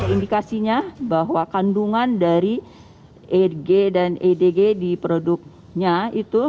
indikasinya bahwa kandungan dari edg dan edg di produknya itu